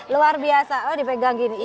luar biasa oh dipegang gini